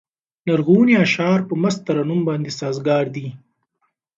لرغوني اشعار په مست ترنم باندې سازګار دي.